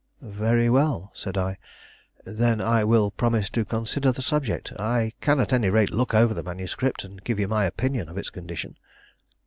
"Very well," said I; "then I will promise to consider the subject. I can at any rate look over the manuscript and give you my opinion of its condition."